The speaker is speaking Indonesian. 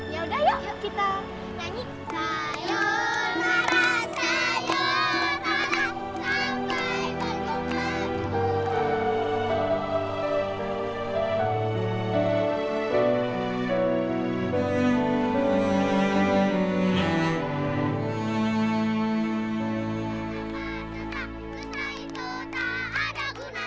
yaudah yuk kita nyanyi